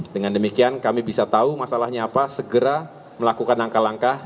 dengan demikian kami bisa tahu masalahnya apa segera melakukan langkah langkah